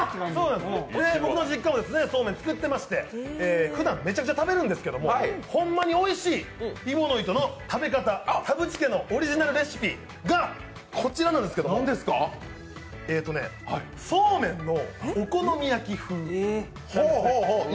僕の実家もそうめん作ってましてふだんめちゃくちゃ食べるんですけど、ほんまにおいしい揖保乃糸の食べ方、田渕家のオリジナルレシピがこちらなんですけどもそうめんのお好み焼き風。